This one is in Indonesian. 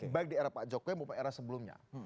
baik di era pak jokowi maupun era sebelumnya